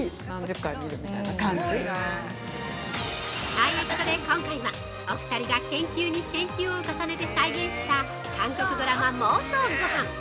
◆そういうことで、今回はお二人が研究に研究を重ねて再現した韓国ドラマ妄想ごはん。